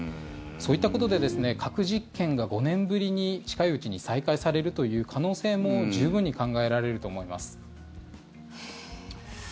そういったことで核実験が５年ぶりに、近いうちに再開されるという可能性も十分に考えられると思います。